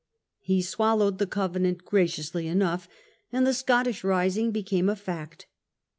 He swallowed the Cove nant graciously enough, and the Scottish rising became a fact.